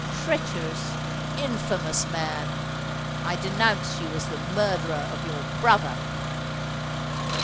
Treacherous—infamous man, I denounce you as the murderer of your brother!"